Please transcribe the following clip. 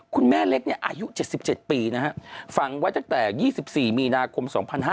คุณแม่เล็กอายุ๗๗ปีนะฮะฝังไว้ตั้งแต่๒๔มีนาคม๒๕๕๙